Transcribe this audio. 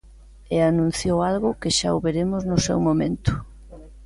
E anunciou algo que xa o veremos no seu momento.